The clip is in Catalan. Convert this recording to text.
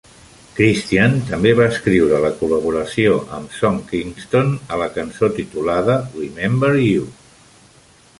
Cristian també va escriure la col·laboració amb Sean Kingston a la cançó titulada "Remember You".